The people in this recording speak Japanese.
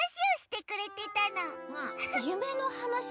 ゆめのはなし？